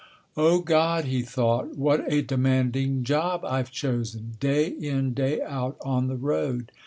"O God," he thought, "what a demanding job I've chosen! Day in, day out, on the road.